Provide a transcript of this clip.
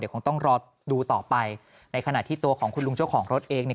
คงต้องรอดูต่อไปในขณะที่ตัวของคุณลุงเจ้าของรถเองเนี่ย